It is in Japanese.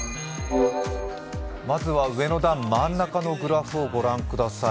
まずは上の段、真ん中のグラフをご覧ください。